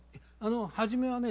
初めはね